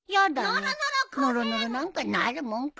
ノロノロなんかなるもんか。